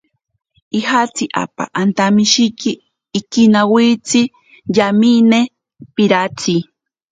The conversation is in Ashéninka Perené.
Ijatsi apa antamiki ikinawaitsi yamine piratsi.